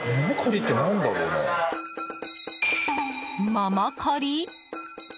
ママカリ？